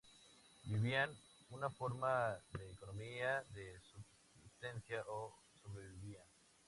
Vivían una forma de economía de subsistencia o sobrevivían.